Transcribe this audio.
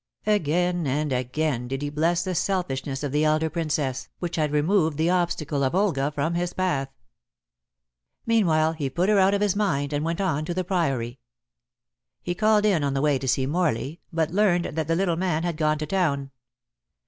Again and again did he bless the selfishness of the elder Princess, which had removed the obstacle of Olga from his path. Meanwhile he put her out of his mind and went on to the Priory. He called in on the way to see Morley, but learned that the little man had gone to town.